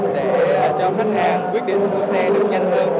để chọn khách hàng quyết định mua xe đúng nhanh hơn